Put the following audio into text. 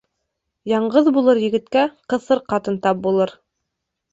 Яңғыҙ булыр егеткә ҡыҫыр ҡатын тап булыр.